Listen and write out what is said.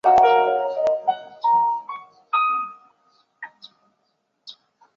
孰大孰小其实是个开放问题。